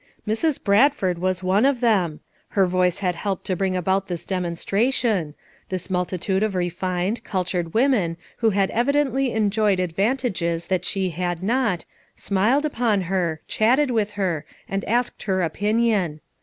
Mrs. Bradford was one of them! her voice had helped to bring about this demonstra tion; this multitude of refined, cultured women who had evidently enjoyed advantages that she had not, smiled upon her, chatted with her, and asked her opinion.